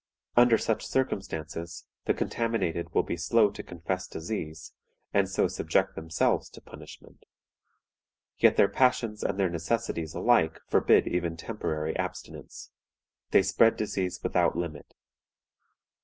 Under such circumstances the contaminated will be slow to confess disease, and so subject themselves to punishment. Yet their passions and their necessities alike forbid even temporary abstinence. They spread disease without limit.